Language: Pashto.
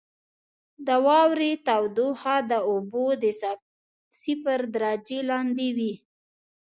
• د واورې تودوخه د اوبو د صفر درجې لاندې وي.